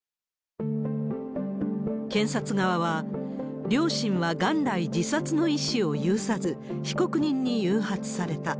検察側は、両親は元来、自殺の意思を有さず、被告人に誘発された。